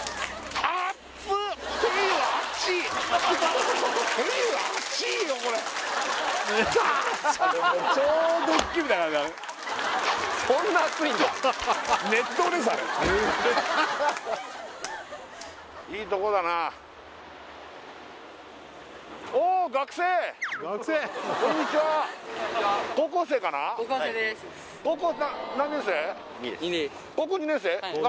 あれ高校２年生？